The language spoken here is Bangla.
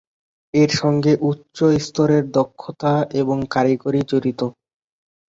এর সঙ্গে উচ্চ স্তরের দক্ষতা এবং কারিগরি জড়িত।